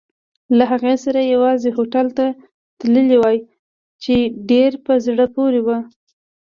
له هغې سره یوځای هوټل ته تللی وای، چې ډېر په زړه پورې وو.